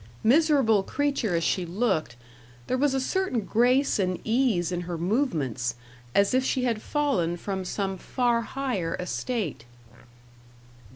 Miserable creature as she looked, there was a certain grace and ease in her movements, as if she had fallen from some far higher estate.